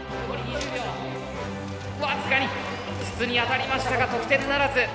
僅かに筒に当たりましたが得点ならず。